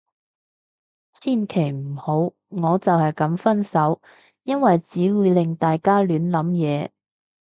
千祈唔好，我就係噉分手。因為只會令大家亂諗嘢